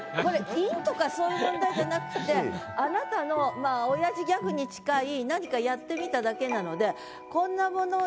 韻とかそういう問題じゃなくってあなたのまあおやじギャグに近い何かやってみただけなので。